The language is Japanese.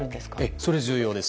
それが重要です。